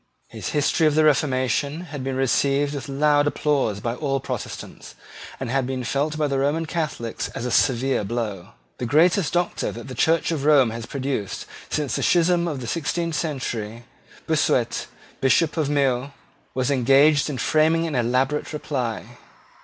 His History of the Reformation had been received with loud applause by all Protestants, and had been felt by the Roman Catholics as a severe blow. The greatest Doctor that the Church of Rome has produced since the schism of the sixteenth century, Bossuet, Bishop of Meaux, was engaged in framing an elaborate reply.